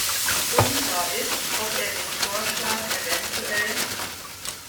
Unklar ist, ob er den Vorschlag evtl.